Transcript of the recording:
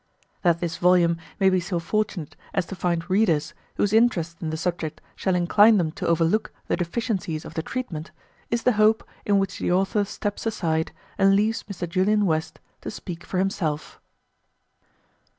That this volume may be so fortunate as to find readers whose interest in the subject shall incline them to overlook the deficiencies of the treatment is the hope in which the author steps aside and leaves Mr. Julian West to speak for himself.